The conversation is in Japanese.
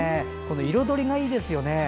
彩りがいいですよね。